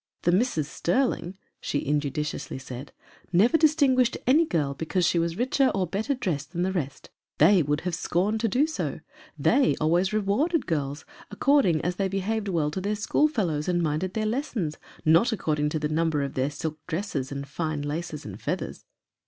" The Misses Sterling," she injudiciously said, " never distin guished any girl because she was richer or better dressed than the rest. They would have scorned to do so. They always re warded girls according as they behaved well to their school fellows and minded their lessons, not according to the number of their silk dresses, and fine laces, and feathers.